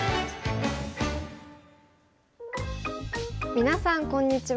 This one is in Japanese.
皆さんこんにちは。